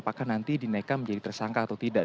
apakah nanti dinaikkan menjadi tersangka atau tidak